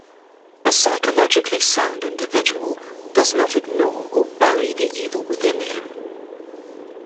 A psychologically sound individual does not ignore or bury the evil within him.